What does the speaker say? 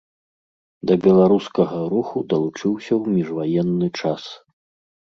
Да беларускага руху далучыўся ў міжваенны час.